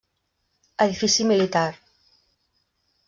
Edifici militar.